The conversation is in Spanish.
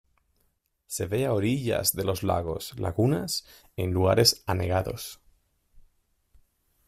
Se ve a orillas de los lagos, lagunas en lugares anegados.